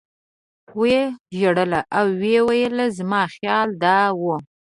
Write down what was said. و یې ژړل او ویې ویل زما خیال دا و.